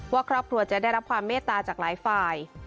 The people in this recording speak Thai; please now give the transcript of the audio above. ว่าครอบครัวจะได้รับความเมตตาจากหลายฝ่าย